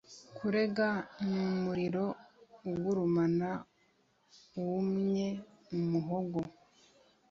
Kurega numuriro ugurumana wumye umuhogo